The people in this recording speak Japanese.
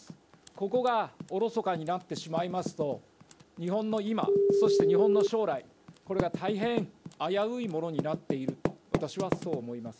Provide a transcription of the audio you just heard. ここがおろそかになってしまいますと、日本の今、そして日本の将来、これが大変危ういものになっている、私はそう思います。